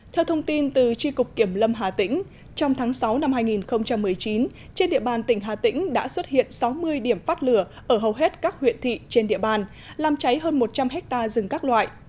theo thông tin từ tri cục kiểm lâm hà tĩnh trong tháng sáu năm hai nghìn một mươi chín trên địa bàn tỉnh hà tĩnh đã xuất hiện sáu mươi điểm phát lửa ở hầu hết các huyện thị trên địa bàn làm cháy hơn một trăm linh hectare rừng các loại